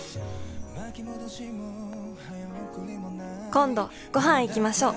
「今度ご飯いきましょう！」